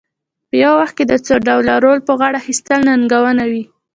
په یو وخت کې د څو ډوله رول په غاړه اخیستل ننګونه وي.